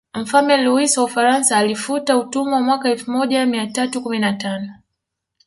Mfalme Luis wa Ufaransa alifuta utumwa mwaka elfu moja mia tatu kumi na tano